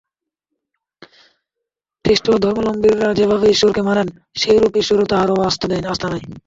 খ্রীষ্টধর্মাবলম্বীরা যেভাবে ঈশ্বরকে মানেন, সেইরূপ ঈশ্বরেও তাঁহার আস্থা নাই।